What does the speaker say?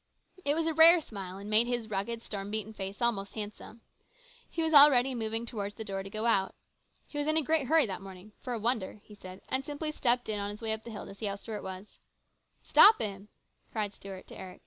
It was a rare smile and made his rugged, storm beaten face almost handsome. He was already moving towards the door to go out. He was in a great hurry that morning, for a wonder, he said, and simply stepped in on his way up the hill to see how Stuart was. " Stop him !" cried Stuart to Eric.